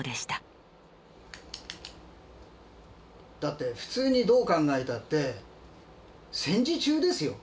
だって普通にどう考えたって戦時中ですよ。